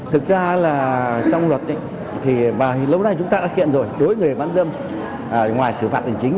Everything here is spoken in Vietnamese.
thực ra là trong luật thì lúc này chúng ta đã kiện rồi đối với người bán dâm ngoài xử phạt hình chính